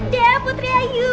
dea putri ayu